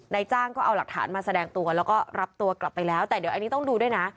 นายจ้างก็เอาหลักฐานมาแสดงตัวแล้วก็รับตัวกลับไปแล้วแต่เดี๋ยวอันนี้ต้องดูด้วยนะ